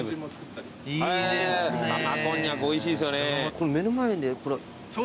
この目の前でこれ。